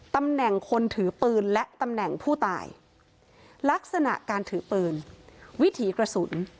ตำแหน่งคนถือปืนและตำแหน่งผู้ตายลักษณะการถือปืนวิถีกระสุน